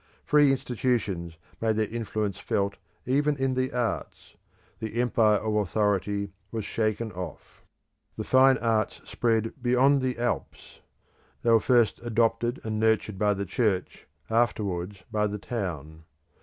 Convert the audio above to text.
Free institutions made their influence felt even in the arts; the empire of authority was shaken off. The fine arts spread beyond the Alps; they were first adopted and nurtured by the Church, afterwards by the Town.